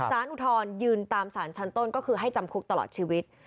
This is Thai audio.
อุทธรณยืนตามสารชั้นต้นก็คือให้จำคุกตลอดชีวิต